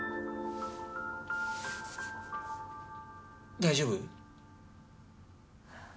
大丈夫？